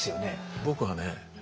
僕はね